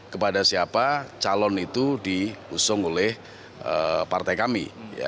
kepada siapa calon itu diusung oleh partai kami